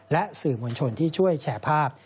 และสื่อมวลชนที่ช่วยแชร์ภาพ